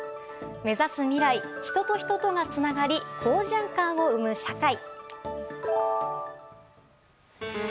目指す未来、人と人がつながり好循環を生む社会。